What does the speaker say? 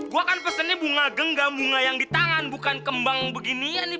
gue akan pesennya bunga genggam bunga yang di tangan bukan kembang beginian nih